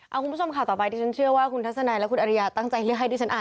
เอาคุณผู้ชมข่าวต่อไปที่ฉันเชื่อว่าคุณทัศนัยและคุณอริยาตั้งใจเลือกให้ดิฉันอ่าน